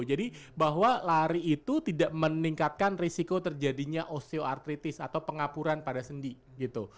jadi bahwa lari itu tidak meningkatkan risiko terjadinya osteoartritis atau pengapuran pada sendi gitu